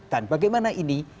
dan bagaimana ini